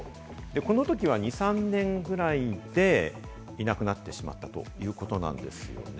このときは２３年ぐらいでいなくなってしまったということなんですね。